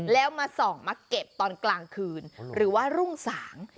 แล้วมาส่องมาเก็บตอนกลางคืนหรือว่ารุ่งสาง